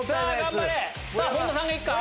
本田さんがいくか？